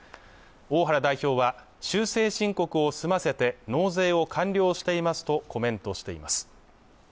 大原代表は修正申告を済ませて納税を完了していますとコメントしています